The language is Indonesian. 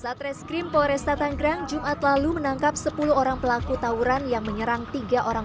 satreskrim polresta tanggerang jumat lalu menangkap sepuluh orang pelaku tawuran yang menyerang tiga orang